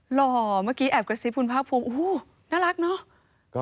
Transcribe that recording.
หล่อเมื่อกี้แอบกระซิบคุณภาคภูมิโอ้โหน่ารักเนอะ